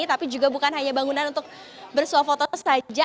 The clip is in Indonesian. tapi juga bukan hanya bangunan untuk bersuah foto saja